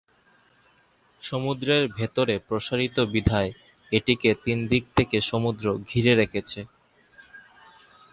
সমুদ্রের ভেতরে প্রসারিত বিধায় এটিকে তিন দিক থেকে সমুদ্র ঘিরে রেখেছে।